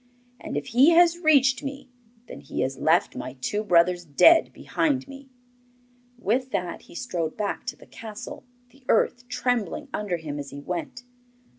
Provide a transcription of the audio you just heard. And if he has reached me, then he has left my two brothers dead behind him.' With that he strode back to the castle, the earth trembling under him as he went.